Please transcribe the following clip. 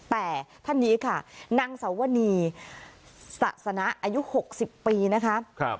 แต่ท่านนี้ค่ะนางสาวนีสะสนะอายุ๖๐ปีนะคะ